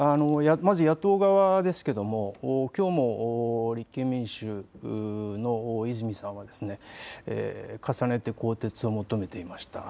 まず野党側ですがきょうも立憲民主の泉さんは重ねて更迭を求めていました。